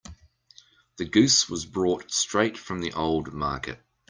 The goose was brought straight from the old market.